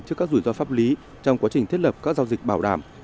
trước các rủi ro pháp lý trong quá trình thiết lập các giao dịch bảo đảm